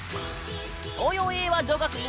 東洋英和女学院